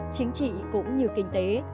chính trị cũng như kinh tế